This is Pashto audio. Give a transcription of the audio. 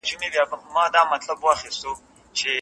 که خره وساتو نو کار نه بندیږي.